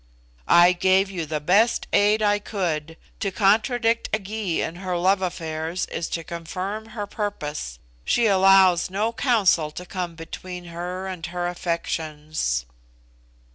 "I gave you the best aid I could. To contradict a Gy in her love affairs is to confirm her purpose. She allows no counsel to come between her and her affections."